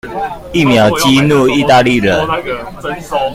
一秒激怒義大利人